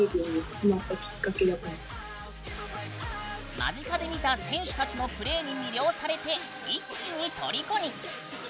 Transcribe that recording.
間近で見た選手たちのプレーに魅了されて一気に、とりこに。